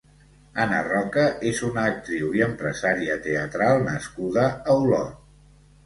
Anna Roca és una actriu i empresària teatral nascuda a Olot.